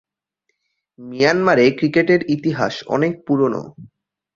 মিয়ানমারে ক্রিকেটের ইতিহাস অনেক পুরনো।